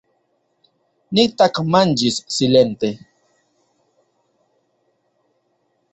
Ni tagmanĝis silente.